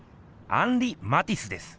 アンリ・マティスです。